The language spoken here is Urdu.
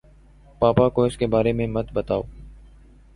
پاپا کو اِس بارے میں مت بتاؤ۔